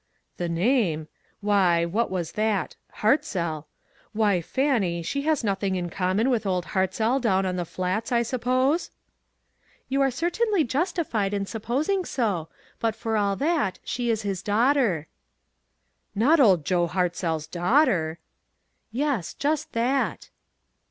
"The name! Why, what has that — Hartzell — why, Fannie, she has nothing in common with Old Hartzell down on the Flats, I suppose ?"" You are certainly justified in supposing SO, but for all that she is his daughter." "Not old Joe Hartzell's daughter!" "Yes, just that."